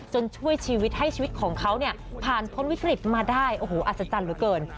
ช่วยชีวิตให้ชีวิตของเขาเนี่ยผ่านพ้นวิกฤตมาได้โอ้โหอัศจรรย์เหลือเกิน